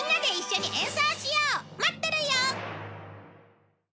待ってるよ！